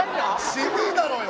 渋いだろうよ！